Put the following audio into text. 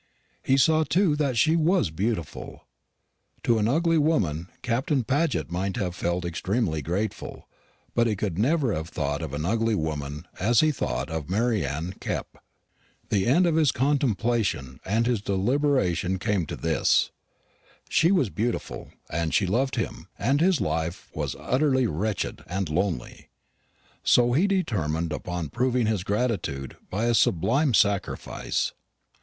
He saw too that she was beautiful. To an ugly woman Captain Paget might have felt extremely grateful; but he could never have thought of an ugly woman as he thought of Mary Anne Kepp. The end of his contemplation and his deliberation came to this: She was beautiful, and she loved him, and his life was utterly wretched and lonely; so he determined on proving his gratitude by a sublime sacrifice.